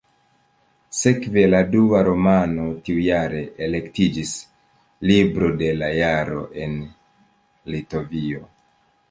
Sekve la dua romano tiujare elektiĝis "Libro de la Jaro" en Litovio.